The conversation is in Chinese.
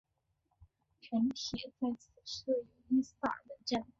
城铁在此设有伊萨尔门站。